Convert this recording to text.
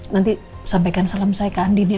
nanti sampaikan salam saya ke andi nih